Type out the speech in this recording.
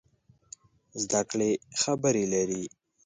زده کړې خبرې لري.